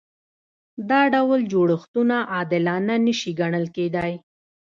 دا ډول جوړښتونه عادلانه نشي ګڼل کېدای.